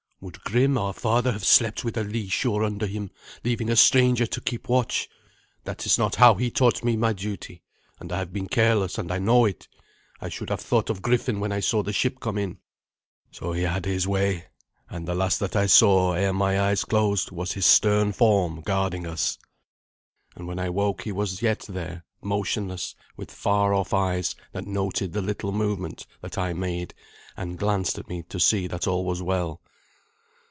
"Would Grim, our father, have slept with a lee shore under him, leaving a stranger to keep watch? That is not how he taught me my duty; and I have been careless, and I know it. I should have thought of Griffin when I saw the ship come in." So he had his way, and the last that I saw ere my eyes closed was his stern form guarding us; and when I woke he was yet there, motionless, with far off eyes that noted the little movement that I made, and glanced at me to see that all was well.